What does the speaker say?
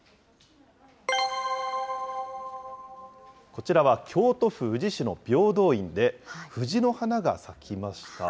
こちらは京都府宇治市の平等院で、藤の花が咲きました。